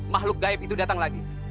makhluk gaib itu datang lagi